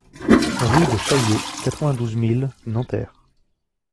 Rue des Chailliers, quatre-vingt-douze mille Nanterre